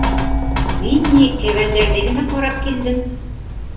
Мин ни... кәбәндәрҙе генә ҡарап килдем...